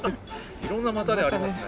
いろんな「またね」ありますね。